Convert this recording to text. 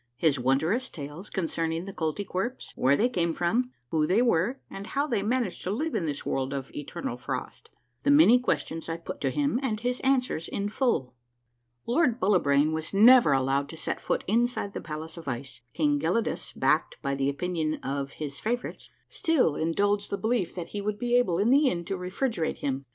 — HIS WONDUOUS TALES CONCERNING THE KOLTY KWERPS : WHERE THEY CAME FROM, WHQ THEY WERE, AND HOW THEY MANAGED TO LIVE IN THIS WORLD OF ETER NAL FROST. — THE MANY QUESTIONS I PUT TO HIM, AND HIS ANSWERS IN FULL. Lold Bullibrain was never allowed to set foot inside the palace of ice. King Gelidus, backed by the opinion of Ids favorites, still indulged the belief that he would be able in the end to refrigerate him.